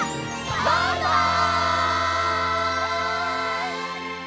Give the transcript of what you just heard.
バイバイ！